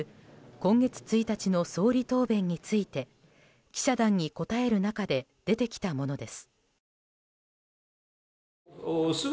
今月１日の総理答弁について記者団に答える中で出てきたものです。